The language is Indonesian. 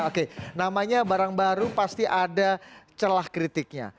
oke namanya barang baru pasti ada celah kritiknya